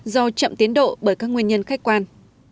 do chậm tiến độ bởi các nguyên nhân khách quan